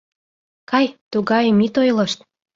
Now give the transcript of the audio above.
Кай, тугайым ит ойлышт.